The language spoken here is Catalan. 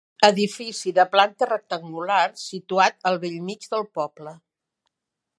Edifici de planta rectangular situat al bell mig del poble.